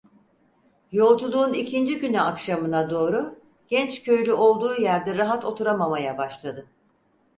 Yolculuğun ikinci günü akşamına doğru genç köylü olduğu yerde rahat oturamamaya başladı.